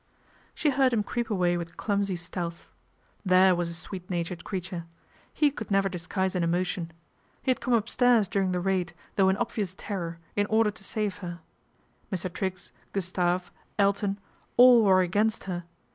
She heard him creep away with clumsv stealth. There was a A RACE WITH SPINSTERHOOD 299 sweet natured creature. He could never disguise an emotion. He had come upstairs during the raid, though in obvious terror, in order to save her. Mr. Triggs, Gustave, Elton, all were against her.